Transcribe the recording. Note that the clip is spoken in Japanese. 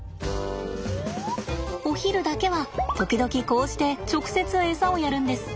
お昼だけは時々こうして直接エサをやるんです。